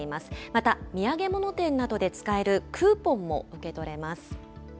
また、土産物店などで使えるクーポンも受け取れます。